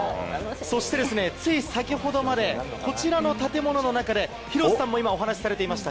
そして、つい先ほどまでこちらの建物の中で廣瀬さんもお話しされていました